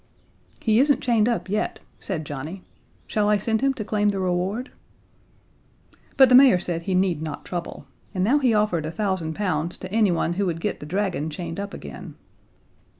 "He isn't chained up yet," said Johnnie. "Shall I send him to claim the reward?" But the mayor said he need not trouble; and now he offered a thousand pounds to anyone who would get the dragon chained up again.